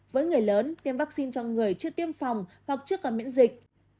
với người lớn tiêm vắc xin cho người chưa tiêm phòng hoặc chưa có miễn dịch